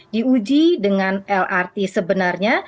di uji dengan lrt sebenarnya